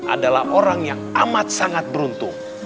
adalah orang yang amat sangat beruntung